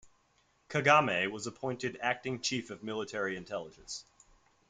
Kagame was appointed acting chief of military intelligence.